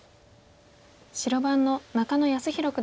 白番の中野泰宏九段です。